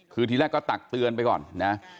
คือทีแรกก็ตักเตือนไปก่อนนะ